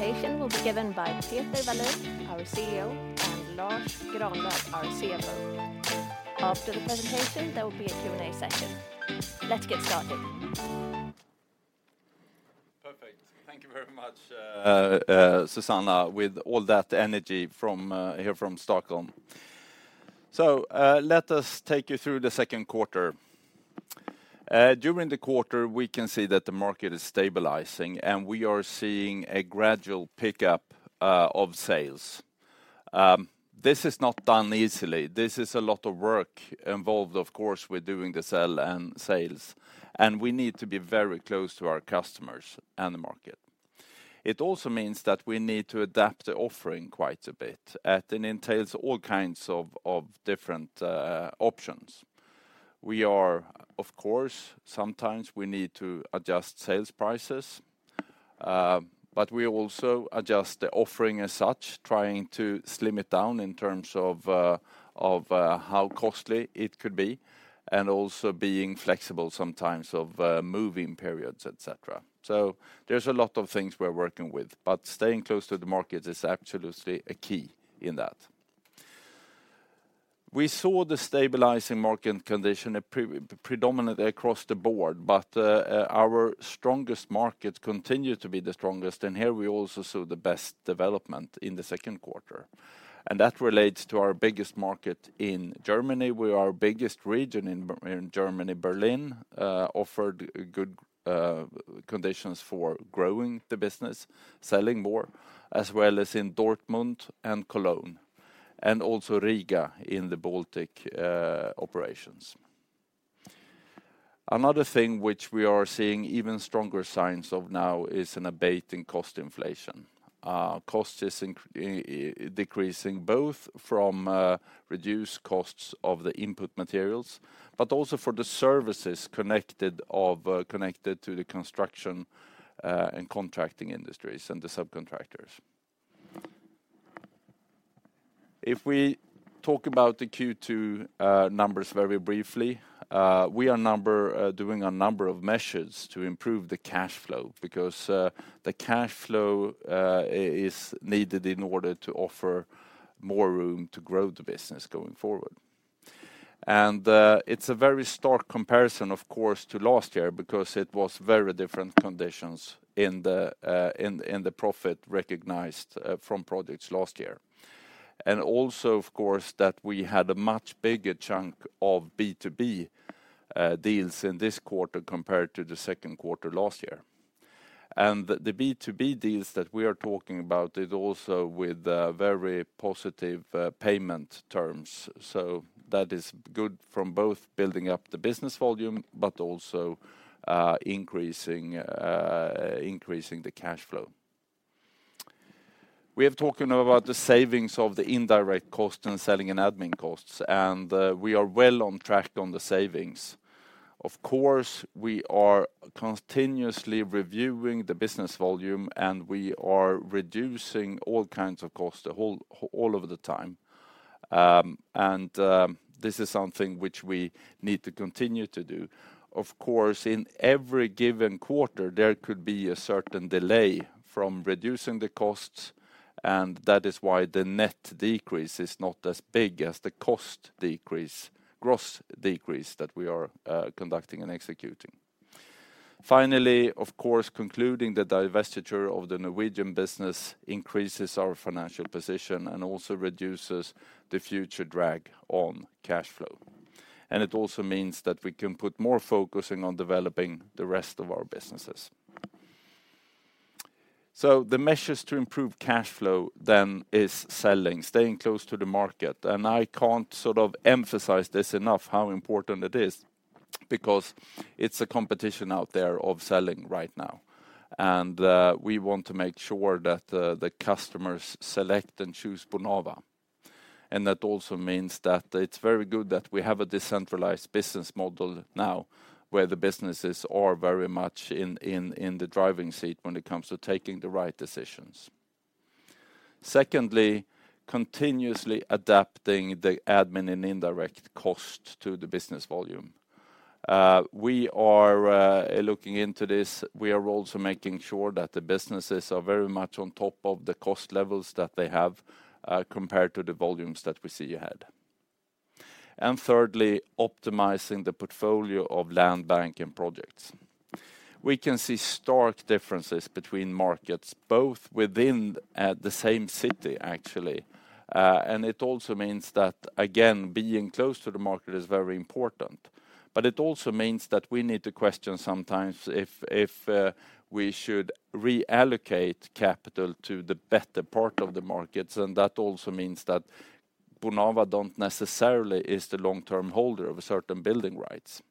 The presentation will be given by Peter Wallin, our CEO, and Lars Granlöf, our CFO. After the presentation, there will be a Q&A session. Let's get started. Perfect. Thank you very much, Susanna, with all that energy from here from Stockholm. Let us take you through the second quarter. During the quarter, we can see that the market is stabilizing, and we are seeing a gradual pickup of sales. This is not done easily. This is a lot of work involved, of course, with doing the sell and sales, and we need to be very close to our customers and the market. It also means that we need to adapt the offering quite a bit, and it entails all kinds of different options. We are, of course, sometimes we need to adjust sales prices, but we also adjust the offering as such, trying to slim it down in terms of, how costly it could be, and also being flexible sometimes of, moving periods, et cetera. There's a lot of things we're working with, but staying close to the market is absolutely a key in that. We saw the stabilizing market condition predominantly across the board, but, our strongest market continued to be the strongest, and here we also saw the best development in the second quarter. That relates to our biggest market in Germany, where our biggest region in Germany, Berlin, offered good conditions for growing the business, selling more, as well as in Dortmund and Cologne, and also Riga in the Baltic operations. Another thing which we are seeing even stronger signs of now is an abating cost inflation. Cost is decreasing both from reduced costs of the input materials, but also for the services connected of connected to the construction and contracting industries and the subcontractors. If we talk about the Q2 numbers very briefly, we are doing a number of measures to improve the cash flow, because the cash flow is needed in order to offer more room to grow the business going forward. It's a very stark comparison, of course, to last year, because it was very different conditions in the profit recognized from projects last year. Also, of course, that we had a much bigger chunk of B2B deals in this quarter compared to the second quarter last year. The B2B deals that we are talking about is also with very positive payment terms. That is good from both building up the business volume, but also increasing the cash flow. We have talking about the savings of the indirect cost and selling and admin costs, and we are well on track on the savings. Of course, we are continuously reviewing the business volume, and we are reducing all kinds of costs all of the time. This is something which we need to continue to do. Of course, in every given quarter, there could be a certain delay from reducing the costs, and that is why the net decrease is not as big as the cost decrease, gross decrease that we are conducting and executing. Finally, of course, concluding the divestiture of the Norwegian business increases our financial position and also reduces the future drag on cash flow. It also means that we can put more focusing on developing the rest of our businesses. The measures to improve cash flow then is selling, staying close to the market. I can't sort of emphasize this enough, how important it is, because it's a competition out there of selling right now. We want to make sure that the customers select and choose Bonava. That also means that it's very good that we have a decentralized business model now, where the businesses are very much in the driving seat when it comes to taking the right decisions. Secondly, continuously adapting the admin and indirect cost to the business volume. We are looking into this. We are also making sure that the businesses are very much on top of the cost levels that they have, compared to the volumes that we see ahead. Thirdly, optimizing the portfolio of land banking projects. We can see stark differences between markets, both within the same city, actually. It also means that, again, being close to the market is very important. It also means that we need to question sometimes if we should reallocate capital to the better part of the markets, and that also means that Bonava don't necessarily is the long-term holder of certain building rights.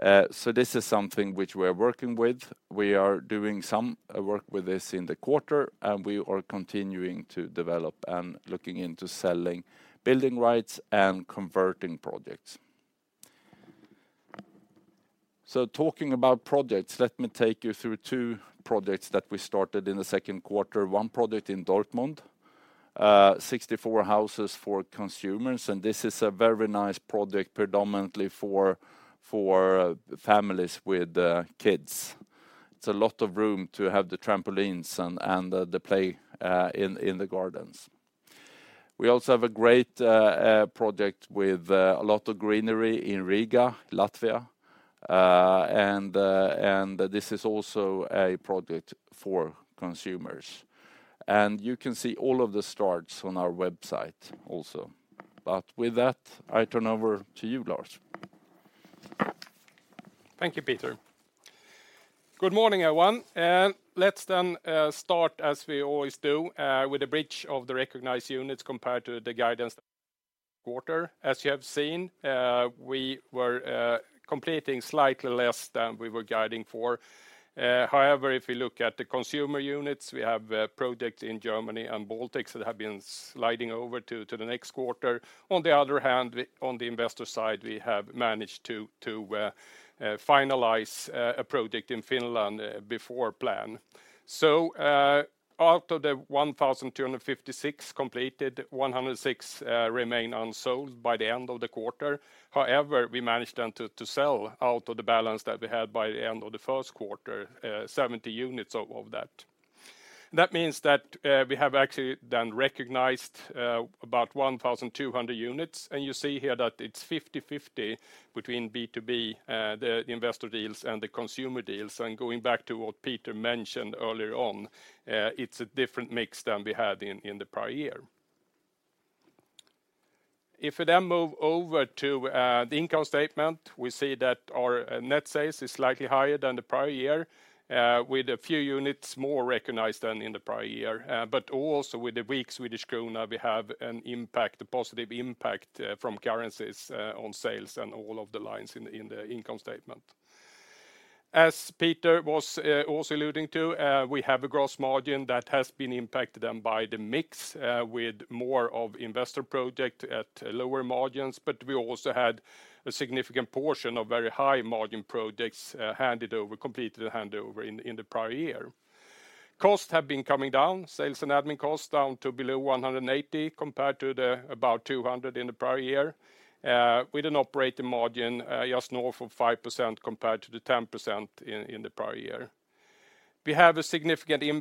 This is something which we are working with. We are doing some work with this in the quarter, and we are continuing to develop and looking into selling building rights and converting projects. Talking about projects, let me take you through two projects that we started in the second quarter, one project in Dortmund. 64 houses for consumers, and this is a very nice project, predominantly for families with kids. It's a lot of room to have the trampolines and the play in the gardens. We also have a great project with a lot of greenery in Riga, Latvia. This is also a project for consumers. You can see all of the starts on our website also. With that, I turn over to you, Lars. Thank you, Peter. Good morning, everyone. Let's start, as we always do, with a bridge of the recognized units compared to the guidance quarter. As you have seen, we were completing slightly less than we were guiding for. However, if you look at the consumer units, we have projects in Germany and Baltics that have been sliding over to the next quarter. On the other hand, on the investor side, we have managed to finalize a project in Finland before plan. Out of the 1,256 completed, 106 remain unsold by the end of the quarter. However, we managed then to sell out of the balance that we had by the end of the first quarter, 70 units of that. That means that we have actually then recognized about 1,200 units. You see here that it's 50/50 between B2B, the investor deals, and the consumer deals. Going back to what Peter mentioned earlier on, it's a different mix than we had in the prior year. If we then move over to the income statement, we see that our net sales is slightly higher than the prior year with a few units more recognized than in the prior year. Also with the weak Swedish krona, we have an impact, a positive impact, from currencies on sales and all of the lines in the income statement. As Peter was also alluding to, we have a gross margin that has been impacted then by the mix, with more of investor project at lower margins. We also had a significant portion of very high-margin projects, handed over, completed and handed over in the prior year. Costs have been coming down, sales and admin costs down to below 180 million, compared to the about 200 million in the prior year. With an operating margin just north of 5% compared to the 10% in the prior year. We have a significant negative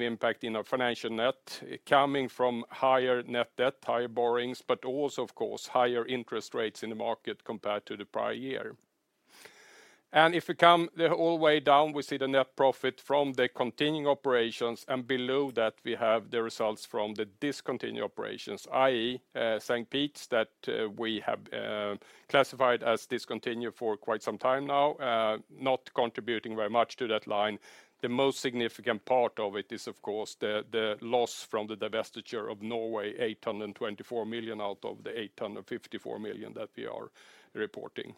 impact in our financial net, coming from higher net debt, higher borrowings, but also, of course, higher interest rates in the market compared to the prior year. If you come the all way down, we see the net profit from the continuing operations, and below that, we have the results from the discontinued operations, i.e., St. Petersburg, that we have classified as discontinued for quite some time now, not contributing very much to that line. The most significant part of it is, of course, the loss from the divestiture of Norway, 824 million out of the 854 million that we are reporting.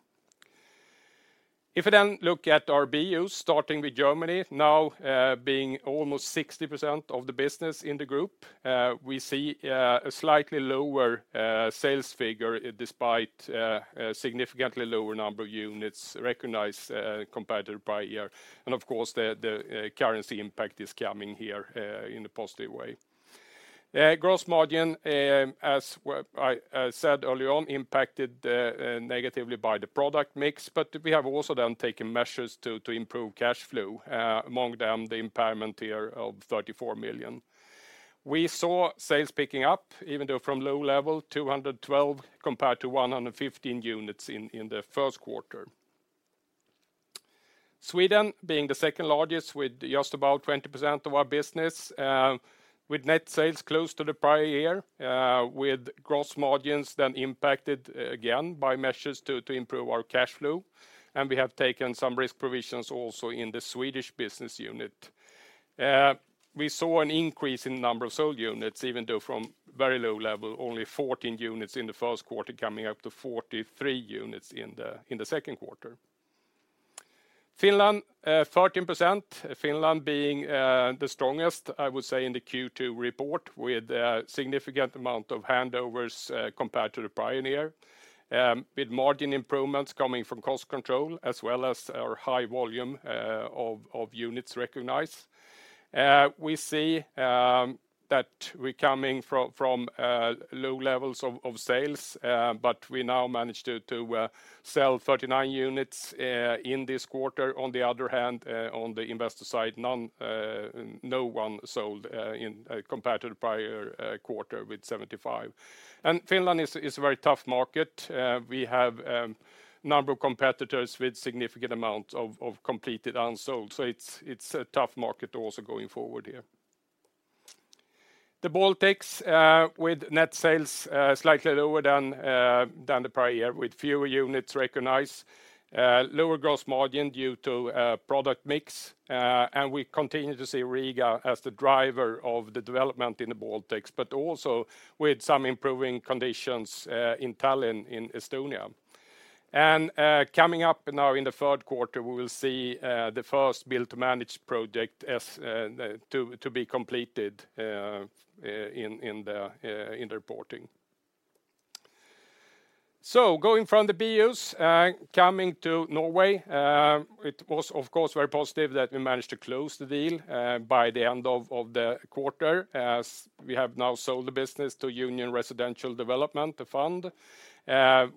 If you look at our BUs, starting with Germany, now being almost 60% of the business in the group, we see a slightly lower sales figure, despite a significantly lower number of units recognized compared to the prior year. Of course, the currency impact is coming here in a positive way. Gross margin, as I said earlier on, impacted negatively by the product mix, but we have also then taken measures to improve cash flow, among them, the impairment here of 34 million. We saw sales picking up, even though from low level, 212 compared to 115 units in the first quarter. Sweden being the second largest, with just about 20% of our business, with net sales close to the prior year, with gross margins then impacted again by measures to improve our cash flow. We have taken some risk provisions also in the Swedish business unit. We saw an increase in the number of sold units, even though from very low level, only 14 units in the first quarter, coming up to 43 units in the second quarter. Finland, 13%, Finland being the strongest, I would say, in the Q2 report, with a significant amount of handovers compared to the prior year. With margin improvements coming from cost control, as well as our high volume of units recognized. We see that we're coming from low levels of sales, but we now managed to sell 39 units in this quarter. On the other hand, on the investor side, none, no one sold in compared to the prior quarter with 75. Finland is a very tough market. We have number of competitors with significant amount of completed unsold. It's a tough market also going forward here. The Baltics, with net sales slightly lower than the prior year, with fewer units recognized, lower gross margin due to product mix. We continue to see Riga as the driver of the development in the Baltics, but also with some improving conditions in Tallinn, in Estonia. Coming up now in the third quarter, we will see the first build-to-manage project as to be completed in the reporting. Going from the BUs, coming to Norway, it was, of course, very positive that we managed to close the deal, by the end of the quarter, as we have now sold the business to Union Residential Development, the fund.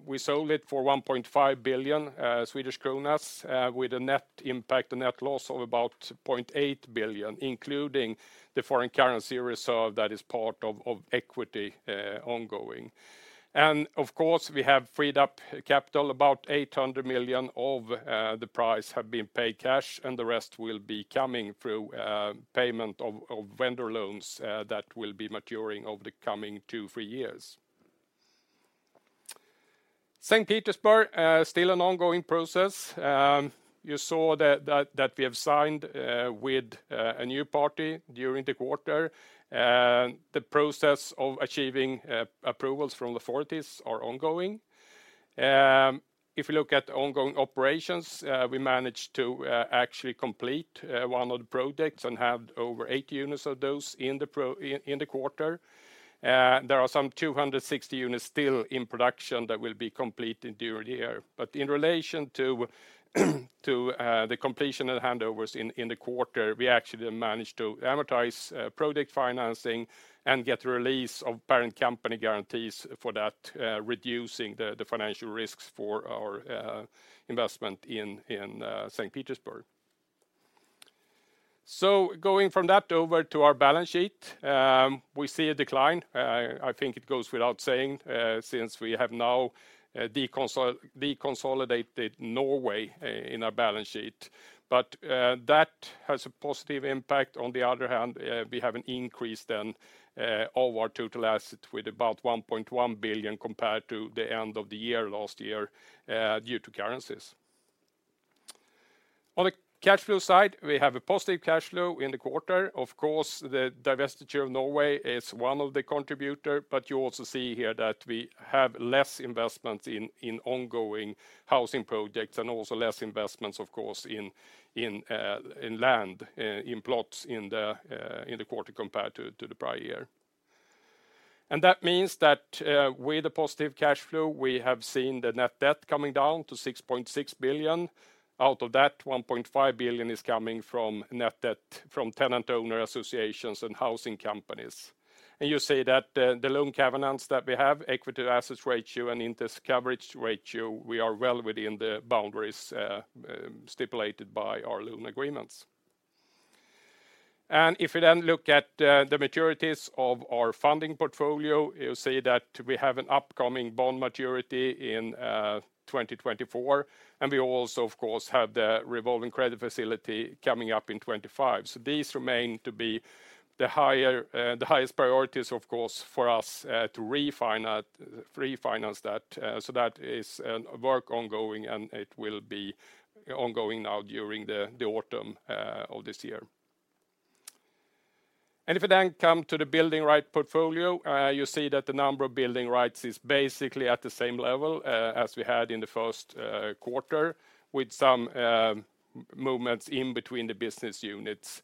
We sold it for 1.5 billion Swedish kronor, with a net impact, a net loss of about 800 million, including the foreign currency reserve that is part of equity, ongoing. Of course, we have freed up capital. About 800 million of the price have been paid cash, and the rest will be coming through, payment of vendor loans, that will be maturing over the coming two, three years. Saint Petersburg, still an ongoing process. You saw that we have signed with a new party during the quarter. The process of achieving approvals from the authorities are ongoing. If you look at ongoing operations, we managed to actually complete one of the projects and have over eight units of those in the quarter. There are some 260 units still in production that will be completed during the year. In relation to the completion and handovers in the quarter, we actually managed to amortize project financing and get release of parent company guarantees for that, reducing the financial risks for our investment in St. Petersburg. Going from that over to our balance sheet, we see a decline. I think it goes without saying, since we have now deconsolidated Norway in our balance sheet. That has a positive impact. On the other hand, we have an increase then of our total asset with about 1.1 billion compared to the end of the year last year, due to currencies. On the cash flow side, we have a positive cash flow in the quarter. Of course, the divestiture of Norway is one of the contributor, but you also see here that we have less investments in ongoing housing projects, and also less investments, of course, in land, in plots in the quarter compared to the prior year. That means that, with a positive cash flow, we have seen the net debt coming down to 6.6 billion. Out of that, 1.5 billion is coming from net debt from tenant-owner associations and housing companies. You see that, the loan covenants that we have, equity to assets ratio and interest coverage ratio, we are well within the boundaries stipulated by our loan agreements. If you then look at, the maturities of our funding portfolio, you'll see that we have an upcoming bond maturity in 2024, and we also, of course, have the revolving credit facility coming up in 2025. These remain to be the highest priorities, of course, for us, to refinance that. That is work ongoing, and it will be ongoing now during the autumn of this year. If you then come to the building rights portfolio, you see that the number of building rights is basically at the same level as we had in the first quarter, with some movements in between the business units.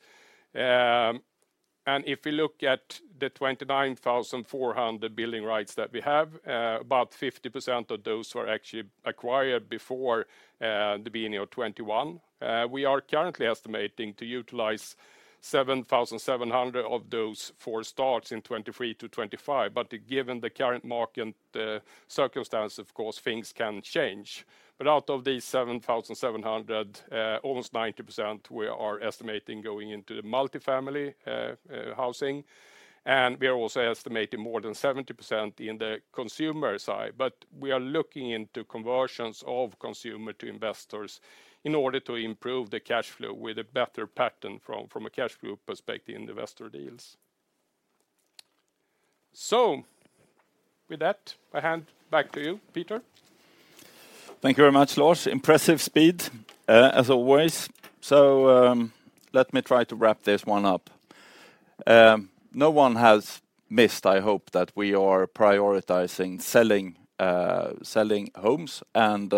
If you look at the 29,400 building rights that we have, about 50% of those were actually acquired before the beginning of 2021. We are currently estimating to utilize 7,700 of those for starts in 2023-2025, but given the current market circumstance, of course, things can change. Out of these 7,700, almost 90% we are estimating going into the multifamily housing, and we are also estimating more than 70% in the consumer side. We are looking into conversions of consumer to investors in order to improve the cash flow with a better pattern from a cash flow perspective in investor deals. With that, I hand back to you, Peter. Thank you very much, Lars. Impressive speed, as always. Let me try to wrap this one up. No one has missed, I hope, that we are prioritizing selling homes and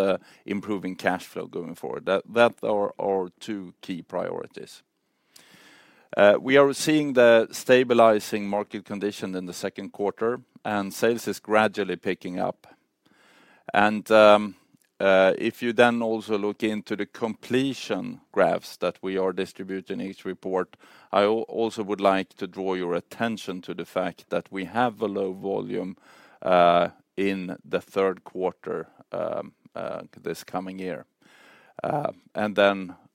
improving cash flow going forward. That are our two key priorities. We are seeing the stabilizing market condition in the second quarter, and sales is gradually picking up. If you then also look into the completion graphs that we are distributing in each report, I also would like to draw your attention to the fact that we have a low volume in the third quarter this coming year.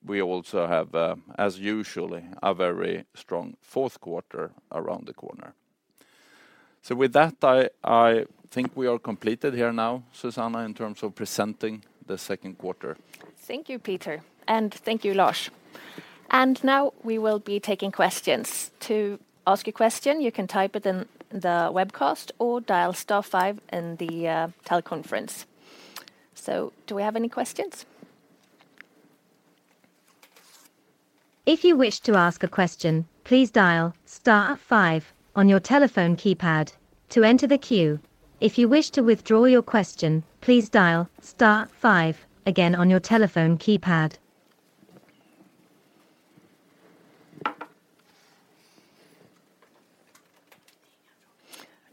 We also have, as usually, a very strong fourth quarter around the corner. With that, I think we are completed here now, Susanna, in terms of presenting the second quarter. Thank you, Peter, and thank you, Lars. Now we will be taking questions. To ask a question, you can type it in the webcast or dial star five in the teleconference. Do we have any questions? If you wish to ask a question, please dial star five on your telephone keypad to enter the queue. If you wish to withdraw your question, please dial star five again on your telephone keypad.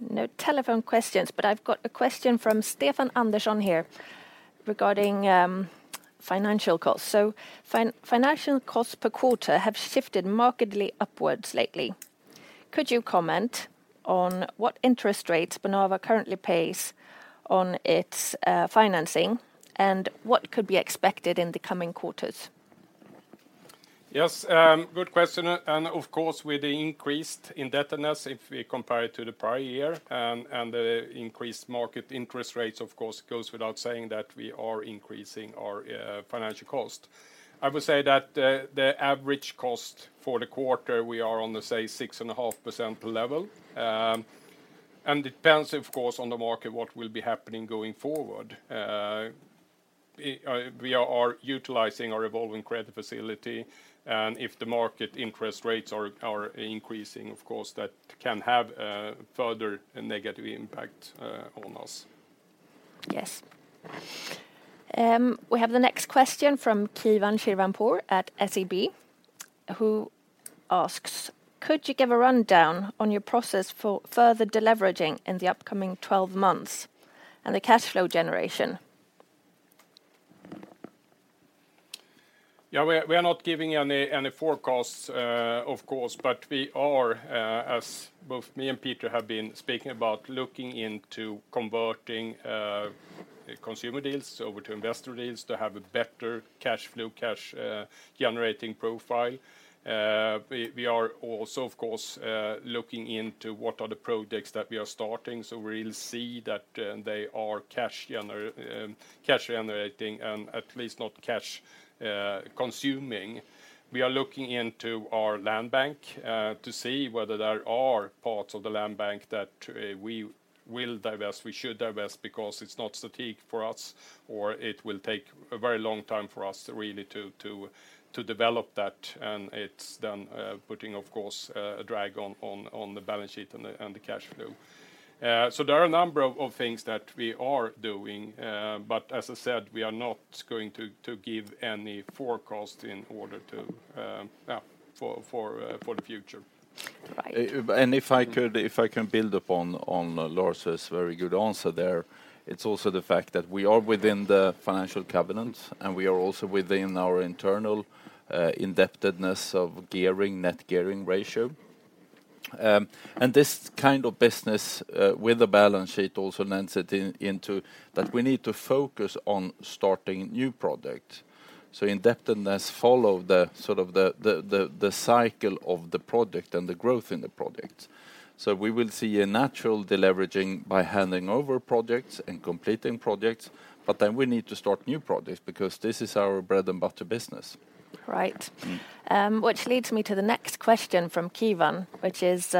No telephone questions, but I've got a question from Stefan Andersson here regarding financial costs. Financial costs per quarter have shifted markedly upwards lately. Could you comment on what interest rates Bonava currently pays on its financing, and what could be expected in the coming quarters? Yes, good question. Of course, with the increased indebtedness, if we compare it to the prior year, and the increased market interest rates, of course, it goes without saying that we are increasing our financial cost. I would say that the average cost for the quarter, we are on the, say, 6.5% level. It depends, of course, on the market, what will be happening going forward. We are utilizing our revolving credit facility, and if the market interest rates are increasing, of course, that can have a further negative impact on us. Yes. We have the next question from Keivan Shirvanpour at SEB, who asks: "Could you give a rundown on your process for further deleveraging in the upcoming 12 months, and the cash flow generation? Yeah, we are not giving any forecasts, of course, but we are, as both me and Peter have been speaking about, looking into converting consumer deals over to investor deals to have a better cash flow, cash generating profile. We are also, of course, looking into what are the projects that we are starting, so we'll see that they are cash generating, and at least not cash consuming. We are looking into our land bank, to see whether there are parts of the land bank that we will divest, we should divest, because it's not strategic for us, or it will take a very long time for us really to develop that, and it's then, putting, of course, a drag on the balance sheet and the cash flow. There are a number of things that we are doing, as I said, we are not going to give any forecast in order to for the future. Right. If I could, if I can build upon on Lars' very good answer there, it's also the fact that we are within the financial covenants, and we are also within our internal indebtedness of gearing—net gearing ratio. This kind of business, with the balance sheet also lends it into, that we need to focus on starting new projects. Indebtedness follow the sort of the cycle of the project and the growth in the project. We will see a natural deleveraging by handing over projects and completing projects, but then we need to start new projects, because this is our bread and butter business. Right. Which leads me to the next question from Kevan, which is: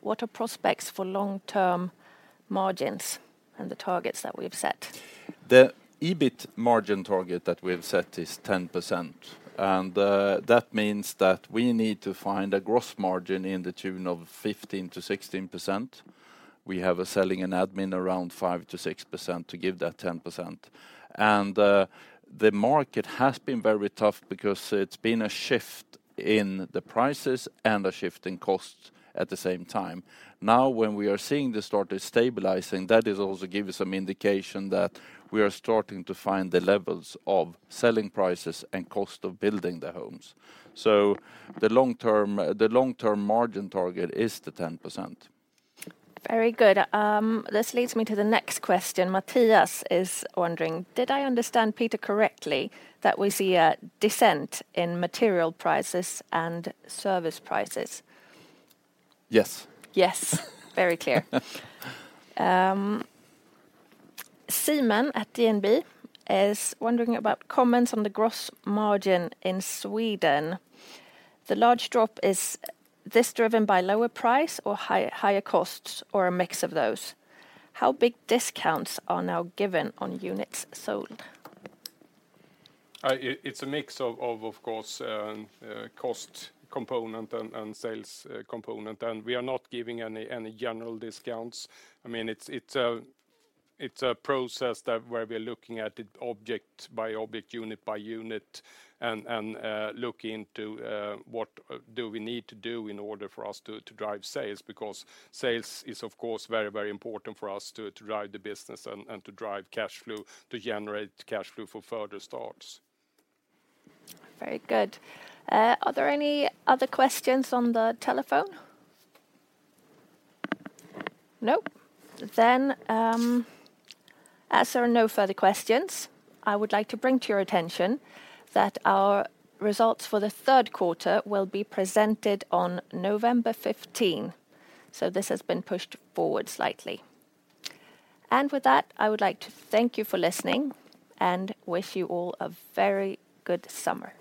"What are prospects for long-term margins and the targets that we've set? The EBIT margin target that we have set is 10%. That means that we need to find a gross margin in the tune of 15%-16%. We have a selling and admin around 5%-6% to give that 10%. The market has been very tough, because it's been a shift in the prices and a shift in costs at the same time. Now, when we are seeing this started stabilizing, that is also give us some indication that we are starting to find the levels of selling prices and cost of building the homes. The long-term margin target is the 10%. Very good. This leads me to the next question. Matthias is wondering, "Did I understand Peter correctly, that we see a descent in material prices and service prices? Yes. Yes. Very clear. Simen at DNB is wondering about comments on the gross margin in Sweden. The large drop is this driven by lower price, or higher costs, or a mix of those? How big discounts are now given on units sold? It's a mix of course, cost component and sales component, and we are not giving any general discounts. I mean, it's a process that, where we're looking at it object by object, unit by unit, and looking to what do we need to do in order for us to drive sales, because sales is, of course, very, very important for us to drive the business and to drive cash flow to generate cash flow for further starts. Very good. Are there any other questions on the telephone? Nope. As there are no further questions, I would like to bring to your attention that our results for the third quarter will be presented on November 15, so this has been pushed forward slightly. With that, I would like to thank you for listening, and wish you all a very good summer.